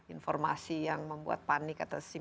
informasi yang membuat panik atau sim